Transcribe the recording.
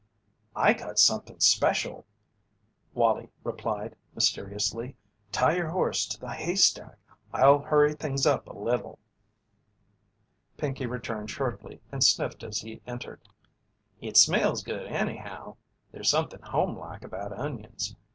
"I got something special," Wallie replied, mysteriously. "Tie your horse to the haystack. I'll hurry things up a little." Pinkey returned shortly and sniffed as he entered: "It smells good, anyhow. There's something homelike about onions.